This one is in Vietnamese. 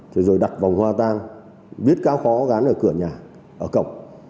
thế rồi đặt vòng hoa tan viết cao khó gắn ở cửa nhà ở cổng